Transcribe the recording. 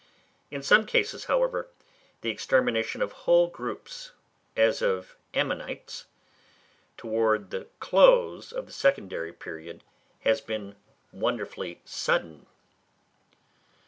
In some cases, however, the extermination of whole groups, as of ammonites, towards the close of the secondary period, has been wonderfully sudden.